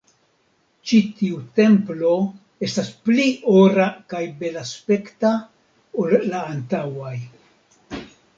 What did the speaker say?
Ĉi tiu templo estas pli ora kaj belaspekta ol la antaŭaj